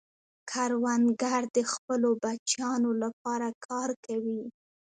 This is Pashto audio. کروندګر د خپلو بچیانو لپاره کار کوي